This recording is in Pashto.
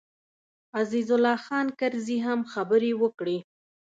عزیز الله خان کرزي هم خبرې وکړې.